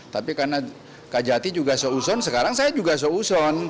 tapi karena kajati juga seuson sekarang saya juga seuson